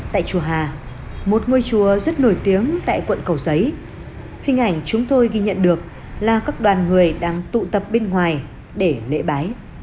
tại chùa hà một ngôi chùa rất nổi tiếng tại quận cầu giấy hình ảnh chúng tôi ghi nhận được là các đoàn người đang tụ tập bên ngoài để lễ bái